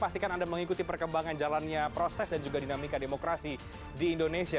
pastikan anda mengikuti perkembangan jalannya proses dan juga dinamika demokrasi di indonesia